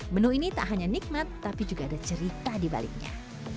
menu ini tak hanya nikmat tapi juga ada cerita di baliknya